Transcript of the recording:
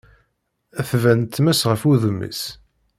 Tban tmes ɣef wudem-is.